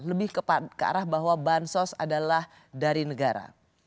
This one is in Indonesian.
lebih ke arah bahwa bansos adalah dari negara